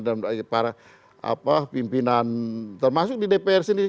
dan para pimpinan termasuk di dpr sendiri